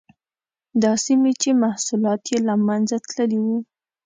دا سیمې چې محصولات یې له منځه تللي وو.